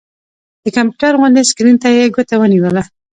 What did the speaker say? د کمپيوټر غوندې سکرين ته يې ګوته ونيوله